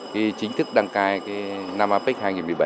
khi chính thức đăng cai năm apec hai nghìn một mươi bảy